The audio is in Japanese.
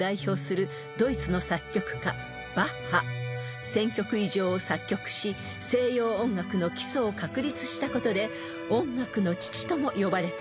［１，０００曲以上を作曲し西洋音楽の基礎を確立したことで音楽の父とも呼ばれています］